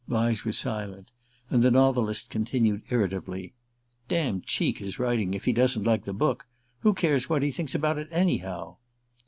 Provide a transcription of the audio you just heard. Vyse was silent, and the novelist continued irritably: "Damned cheek, his writing, if he doesn't like the book. Who cares what he thinks about it, anyhow?"